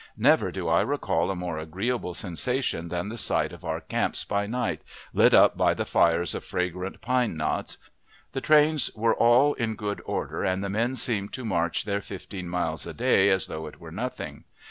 Never do I recall a more agreeable sensation than the sight of our camps by night, lit up by the fires of fragrant pine knots. The trains were all in good order, and the men seemed to march their fifteen miles a day as though it were nothing.